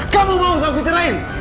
kamu mau aku cerai